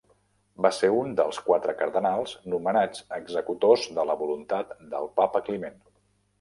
Va ser un dels quatre Cardenals nomenats executors de la voluntat del papa Climent.